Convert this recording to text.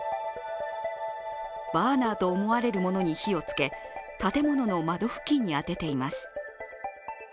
バーナーと思われるものに火をつけ建物の窓付近に当てています。